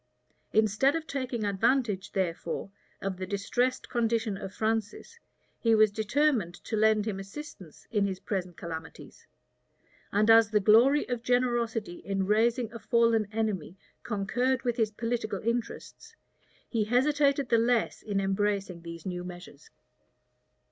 Instead of taking advantage, therefore, of the distressed condition of Francis, he was determined to lend him assistance in his present calamities; and as the glory of generosity in raising a fallen enemy concurred with his political interests, he hesitated the less in embracing these new measures.